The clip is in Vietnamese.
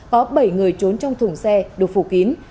có bảy người trốn trong thùng xe được phủ kín